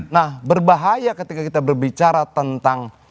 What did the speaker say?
nah berbahaya ketika kita berbicara tentang